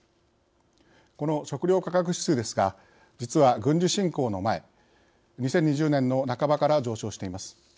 この食料価格指数ですが実は、軍事侵攻の前２０２０年の半ばから上昇しています。